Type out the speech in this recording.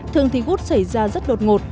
thường thì gút xảy ra rất đột ngột